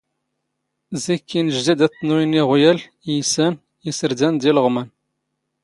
ⵣⵉⴽ ⵉⵏⵊⴷⴰ ⴷⴰ ⵜⵜⵏⵓⵢⵏ ⵉⵖⵢⴰⵍ, ⵉⵢⵙⴰⵏ, ⵉⵙⵔⴷⴰⵏ ⴷ ⵉⵍⵖⵎⴰⵏ.